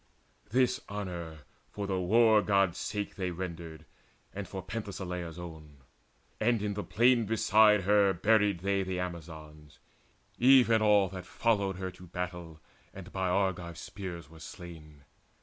This honour for the War god's sake They rendered, and for Penthesileia's own. And in the plain beside her buried they The Amazons, even all that followed her To battle, and by Argive spears were slain.